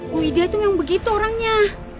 bu ida itu yang begitu orangnya